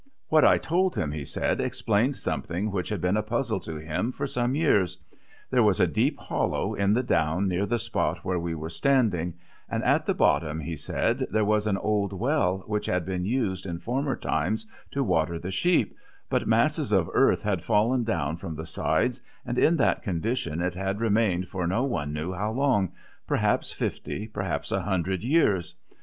What I told him, he said, explained something which had been a puzzle to him for some years. There was a deep hollow in the down near the spot where we were standing, and at the bottom he said there was an old well which had been used in former times to water the sheep, but masses of earth had fallen down from the sides, and in that condition it had remained for no one knew how long perhaps fifty, perhaps a hundred years.